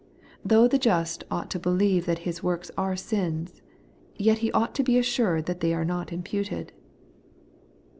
Though the just ought to believe that his works are sins, yet he ought to be assured that they are not imputed.